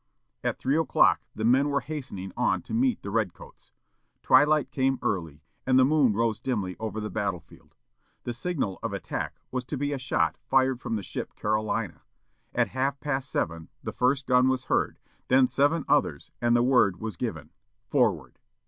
At three o'clock the men were hastening on to meet the "red coats." Twilight came early, and the moon rose dimly over the battle field. The signal of attack was to be a shot fired from the ship Carolina. At half past seven, the first gun was heard, then seven others, and the word was given FORWARD.